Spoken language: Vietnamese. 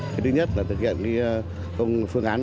thứ nhất là thực hiện công phương án